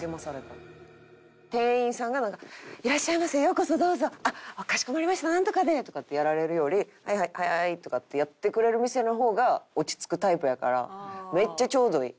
店員さんがなんか「いらっしゃませ」「ようこそどうぞ」「かしこまりましたなんとかで」とかってやられるより「はいはいはいはい」とかってやってくれる店の方が落ち着くタイプやからめっちゃちょうどいい。